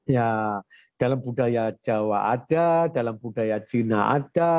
ya dalam budaya jawa ada dalam budaya cina ada